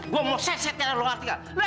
gua mau setelan lu ngerti nggak